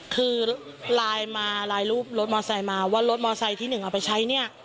คือลายรูปรถมอสไซค์มาว่ารถมอสไซค์ที่หนึ่งเอาไปใช้